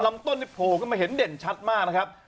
ลำต้นนี่โผล่ขึ้นมาเห็นเด่นชัดมากนะครับ